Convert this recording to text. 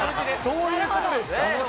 そういうことですか。